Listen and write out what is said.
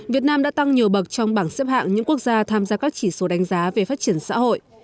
việt nam đã tăng nhiều bậc trong bảng xếp hạng những quốc gia tham gia các chỉ số đánh giá về phát triển xã hội